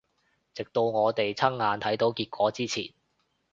直到我哋親眼睇到結果之前